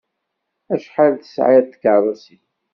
Acḥal tesɛiḍ d tikeṛṛusin?